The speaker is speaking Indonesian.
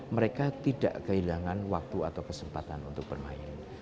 mereka tidak kehilangan waktu atau kesempatan untuk bermain